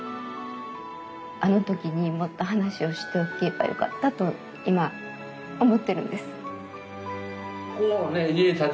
あの時にもっと話をしておけばよかったと今思ってるんです。